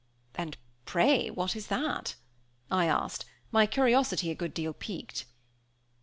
"And pray what is that?" I asked, my curiosity a good deal piqued.